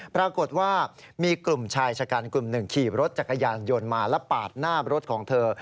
ปรากฏว่ามีกลุ่มชายชะกันกลุ่มหนึ่งขี่รถจักรยานยนต์มาแล้วปาดหน้ารถของเธอ